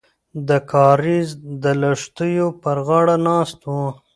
د کاریز د لښتیو پر غاړه ناست وو.